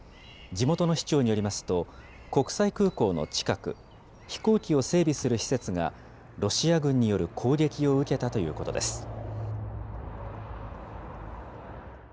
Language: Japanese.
地元の市長によりますと、国際空港の近く、飛行機を整備する施設が、ロシア軍による攻撃を受けたということです。